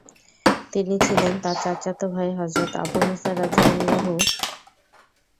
তিনি ছিলেন তাঁর চাচাত ভাই হযরত আবু মুসা রাযিয়াল্লাহু আনহু।